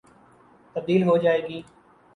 تبدیل ہو جائے گی۔